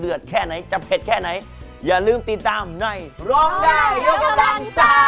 เป็นการประชันกันระหวกลูกทุ่งโชว์พลังเสียง